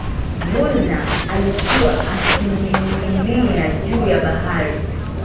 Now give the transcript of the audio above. woolner alikuwa akininginia juu ya bahari